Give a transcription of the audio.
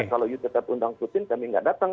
kalau udt undang putin kami nggak datang